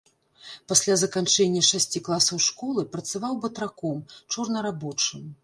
Пасля заканчэння шасці класаў школы працаваў батраком, чорнарабочым.